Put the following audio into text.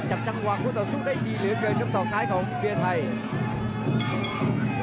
จับจังหวะคู่ต่อสู้ได้ดีเหลือเกินครับศอกซ้ายของเบียร์ไทย